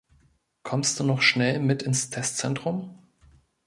Kommst du noch schnell mit ins Testzentrum?